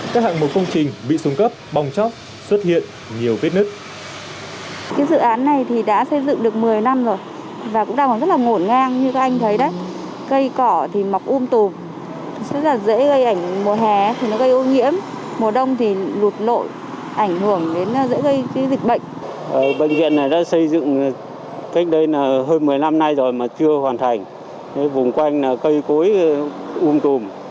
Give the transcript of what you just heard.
các hạng một công trình bị sùng cấp bong chóc xuất hiện nhiều vết nứt